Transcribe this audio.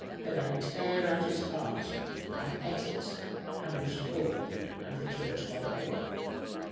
Then I tare out his heart and ate it and was full and returned to my home.